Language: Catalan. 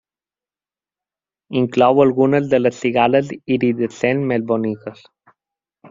Inclou algunes de les cigales iridescents més boniques.